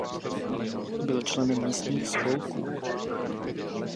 Byl členem místních spolků.